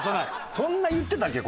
そんな言ってたっけ？